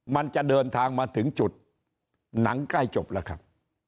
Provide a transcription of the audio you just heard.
มันจะเดินทางมาถึงจุดหนังใกล้จบแล้วครับ